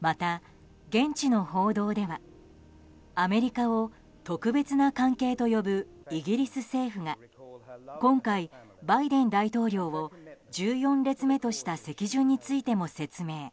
また、現地の報道ではアメリカを特別な関係と呼ぶイギリス政府が今回、バイデン大統領を１４列目とした席順についても説明。